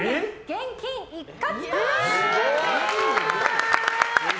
現金一括？